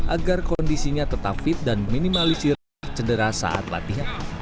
agar kondisinya tetap fit dan minimalisir cedera saat latihan